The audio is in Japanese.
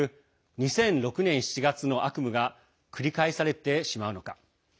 ２００６年７月の悪夢が繰り返されてしまうのか。